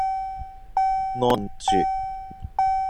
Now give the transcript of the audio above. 哀痛欲絕